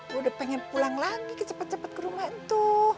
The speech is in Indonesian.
gua udah pengen pulang lagi ke cepet cepet ke rumah itu